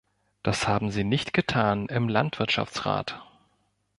Das haben sie nicht getan im Landwirtschaftsrat.